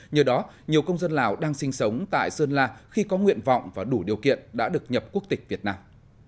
nhờ đó nhiều công dân lào đang sinh sống tại sơn la khi có nguyện vọng và đủ điều kiện đã được nhập quốc tịch việt nam